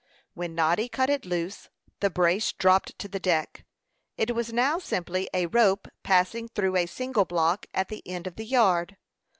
When Noddy cut it loose, the brace dropped to the deck. It was now simply a rope passing through a single block at the end of the yard.